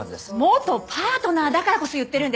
元パートナーだからこそ言ってるんです！